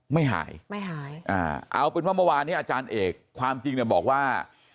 ไม่หายเอาเป็นเพราะว่าเมื่อวานนี้อาจารย์เอกความจริงบอกว่า